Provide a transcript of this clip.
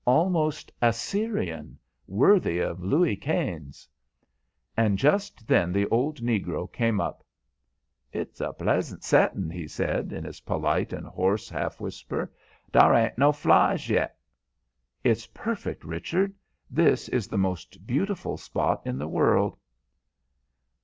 Almost Assyrian, worthy of Louis Quinze! And just then the old negro came up. "It's pleasant settin'," he said in his polite and hoarse half whisper; "dar ain't no flies yet." "It's perfect, Richard. This is the most beautiful spot in the world."